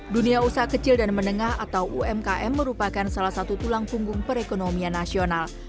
dunia usaha kecil dan menengah atau umkm merupakan salah satu tulang punggung perekonomian nasional